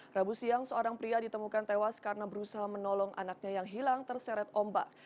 rabu siang seorang pria ditemukan tewas karena berusaha menolong anaknya yang hilang terseret ombak